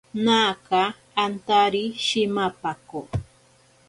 Naaka antari shimapako.